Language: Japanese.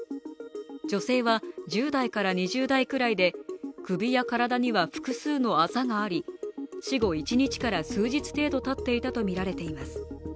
女性は１０代から２０代くらいで首や体には複数のあざがあり死後１日から数日程度たっていたとみられています。